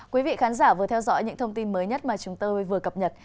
quý vị khán giả vừa theo dõi những thông tin mới nhất mà chúng tôi vừa cập nhật